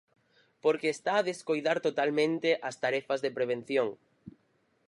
Porque está a descoidar totalmente as tarefas de prevención.